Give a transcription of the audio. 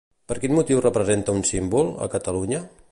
Per quin motiu representa un símbol, a Catalunya?